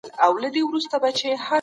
همکاري د بریا راز دی.